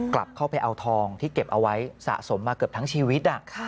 กลับเข้าไปเอาทองที่เก็บเอาไว้สะสมมาเกือบทั้งชีวิต